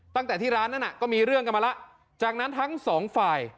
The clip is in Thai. ตั้งแต่ที่ร้านนั้นก็มีเรื่องกันมาแล้วจากนั้นทั้งสองฝ่าย